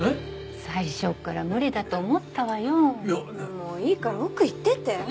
もういいから奥行ってて。